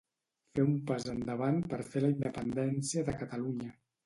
Fer un pas endavant per fer la independència de Catalunya.